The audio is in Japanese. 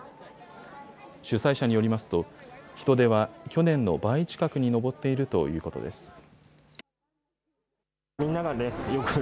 主催者によりますと人出は去年の倍近くに上っているということです。